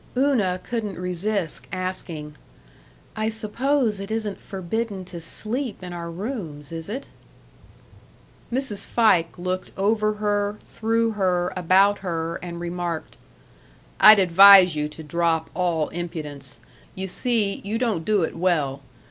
Una couldn't resist asking, "I suppose it isn't forbidden to sleep in our rooms, is it?" Mrs. Fike looked over her, through her, about her, and remarked: "I'd advise you to drop all impudence. You see, you don't do it well.